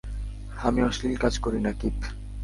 আমি অশ্লীল কাজ করি না, কিপ।